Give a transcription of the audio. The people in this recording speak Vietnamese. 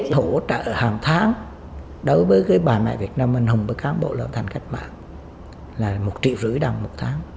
thổ trợ hàng tháng đối với bà mẹ việt nam minh hùng và cán bộ lào thành cách mạng là một triệu rưỡi đồng một tháng